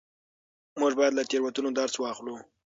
موږ باید له تېروتنو درس واخلو.